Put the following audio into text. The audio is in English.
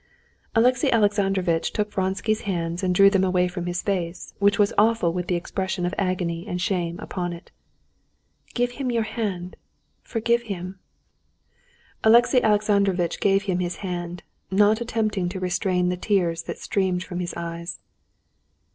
Alexey Alexandrovitch took Vronsky's hands and drew them away from his face, which was awful with the expression of agony and shame upon it. "Give him your hand. Forgive him." Alexey Alexandrovitch gave him his hand, not attempting to restrain the tears that streamed from his eyes.